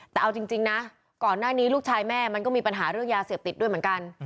แต่เอาจริงนะก่อนหน้านี้ลูกชายแม่มันก็มีปัญหาเรื่องยาเสพติดด้วยเหมือนกัน